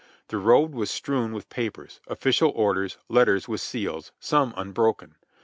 The road was strewn with papers, official orders, letters with seals, some unbroken.